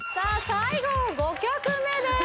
最後５曲目です